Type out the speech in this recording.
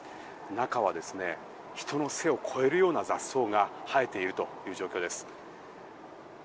中には人の背を超えるような雑草が生えているという状況です。